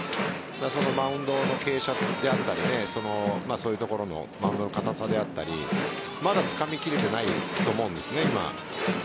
マウンドの傾斜であったりそういうところのマウンドの硬さであったりまだつかみきれていないと思うんです。